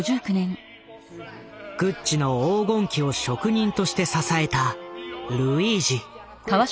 グッチの黄金期を職人として支えたルイージ。